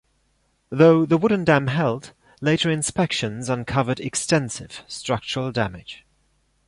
Though the wooden dam held, later inspections uncovered extensive structural damage.